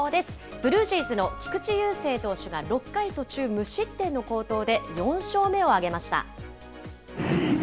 ブルージェイズの菊池雄星投手が６回途中、無失点の好投で、４勝目を挙げました。